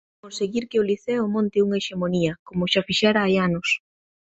Conseguir que o Liceo monte unha hexemonía, como xa fixera hai anos.